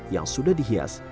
yang sudah dihias